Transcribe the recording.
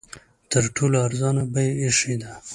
تر ټولو ارزانه بیه ایښې ده.